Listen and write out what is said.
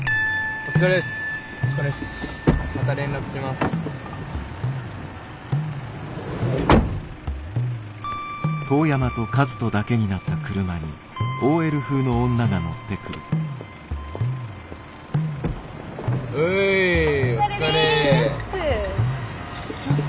お疲れでっす。